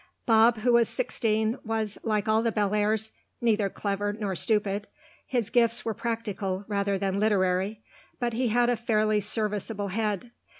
Bob, who was sixteen, was, like all the Bellairs', neither clever nor stupid; his gifts were practical rather than literary, but he had a fairly serviceable head.